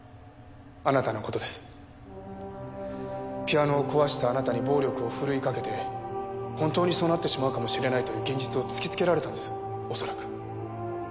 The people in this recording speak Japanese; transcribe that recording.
ピアノを壊したあなたに暴力を振るいかけて本当にそうなってしまうかもしれないという現実を突きつけられたんです恐らく。